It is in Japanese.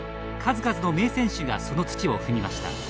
数々の名選手がその土を踏みました。